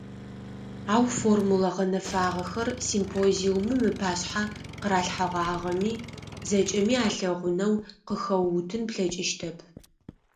Ау, формула гъэнэфагъэхэр, симпозиумым ыпашъхьэ къыралъхьэгъагъэми, зэкӏэми алъэгъунэу къыхэуутын плъэкӏыщтэп.